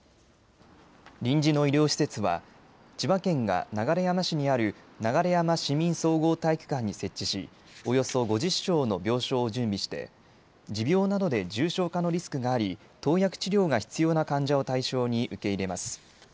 臨時の医療施設は、千葉県が流山市にある流山市民総合体育館に設置し、およそ５０床の病床を準備して、持病などで重症化のリスクがあり、投薬治療が必要な患者を対象に、受け入れます。